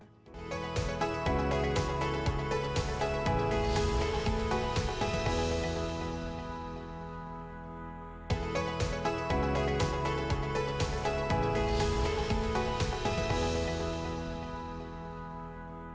dan sudah berhasil